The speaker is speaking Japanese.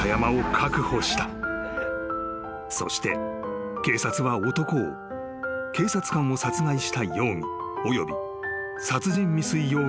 ［そして警察は男を警察官を殺害した容疑および殺人未遂容疑で逮捕］